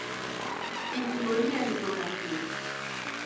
Incluía litografías.